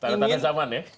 tadah tadah zaman ya